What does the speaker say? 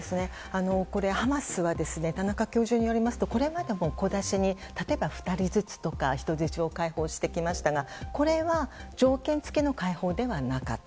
ハマスは田中教授によりますとこれまでも小出しに２人ずつとか人質を解放してきましたがこれは条件付きの解放ではなかった。